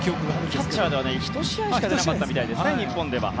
キャッチャーでは日本では１試合しか出なかったみたいです。